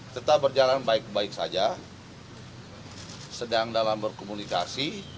tetap berjalan baik baik saja sedang dalam berkomunikasi